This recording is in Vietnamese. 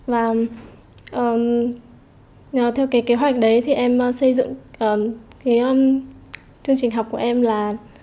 và theo kế hoạch đấy em xây dựng chương trình học của em là